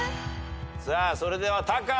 さあそれではタカ。